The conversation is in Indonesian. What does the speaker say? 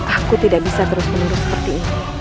aku tidak bisa terus menerus seperti ini